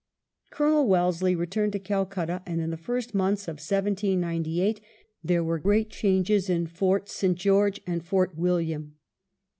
Colonel Wellesley returned to Calcutta, and in the first months of 1798 there were great changes in Fort St. George and Fort William.